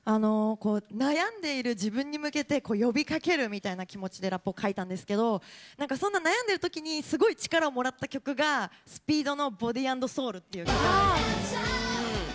悩んでいる自分に向けて呼びかけるみたいな気持ちでラップを書いたんですけどそんな悩んでるときにすごい力をもらったのが ＳＰＥＥＤ の「Ｂｏｄｙ＆Ｓｏｕｌ」っていう曲。